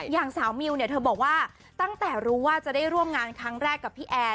อย่างสาวมิวเนี่ยเธอบอกว่าตั้งแต่รู้ว่าจะได้ร่วมงานครั้งแรกกับพี่แอร์